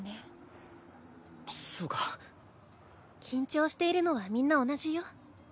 緊張しているのはみんな同じよ。